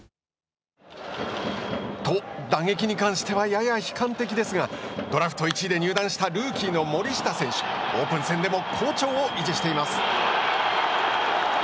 と、打撃に関してはやや悲観的ですがドラフト１位で入団したルーキー森下選手オープン戦でも好調を維持しています。